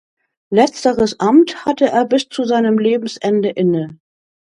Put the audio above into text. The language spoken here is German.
Letzteres Amt hatte er bis zu seinem Lebensende inne.